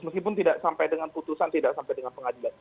meskipun tidak sampai dengan putusan tidak sampai dengan pengadilan